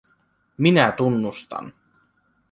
Minä tunnustan.